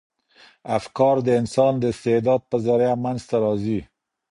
افکار د انسان د استعداد په ذریعه منځ ته راځي.